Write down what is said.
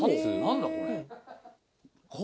何だこれ。